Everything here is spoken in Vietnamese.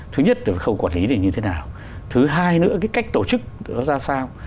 thứ nhất là khâu quản lý thì như thế nào thứ hai nữa cái cách tổ chức ra sao